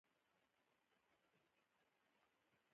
دا پروګرامونه په جنوب کې د واکمنې طبقې ګټې ګواښلې.